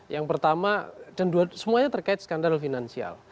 yang pertama dan semuanya terkait skandal finansial